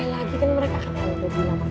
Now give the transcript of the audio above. ini kan mulai lagi kan mereka akan ada bodyguard